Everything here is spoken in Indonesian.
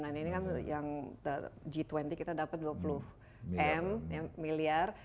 nah ini kan yang g dua puluh kita dapat dua puluh m miliar